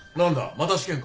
また試験か？